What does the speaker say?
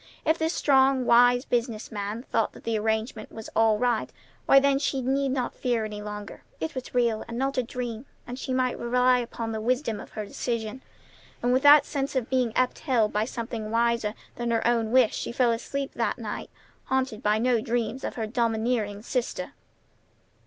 If this strong, wise business man thought the arrangement was all right, why, then she need not fear any longer. It was real, and not a dream, and she might rely upon the wisdom of her decision. And with that sense of being upheld by something wiser than her own wish she fell asleep that night, haunted by no dreams of her domineering sister.